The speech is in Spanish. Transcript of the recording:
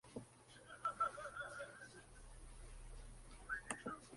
Los cesarianos eran muy superiores en número y destrozaron a sus oponentes.